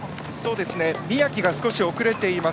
宮城が少し遅れています。